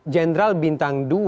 jenderal bintang dua